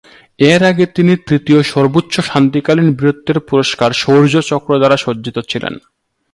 এর আগে তিনি তৃতীয় সর্বোচ্চ শান্তিকালীন বীরত্বের পুরস্কার শৌর্য চক্র দ্বারা সজ্জিত ছিলেন।